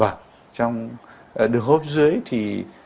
vâng trong đường hô hấp dưới thì